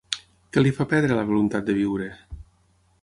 Què li fa perdre la voluntat de viure?